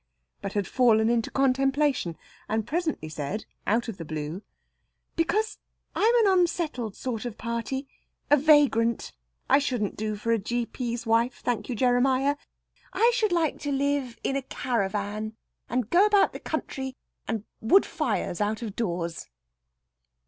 But had fallen into contemplation, and presently said out of the blue "Because I'm an unsettled sort of party a vagrant. I shouldn't do for a G.P.'s wife, thank you, Jeremiah! I should like to live in a caravan, and go about the country, and wood fires out of doors."